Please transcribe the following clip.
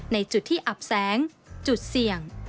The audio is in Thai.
ในจุดที่อับแสงจุดเสี่ยง